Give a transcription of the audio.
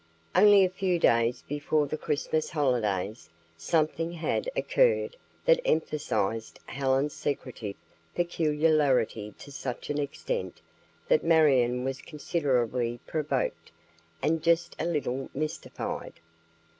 Only a few days before the Christmas holidays, something had occurred that emphasized Helen's secretive peculiarity to such an extent that Marion was considerably provoked and just a little mystified.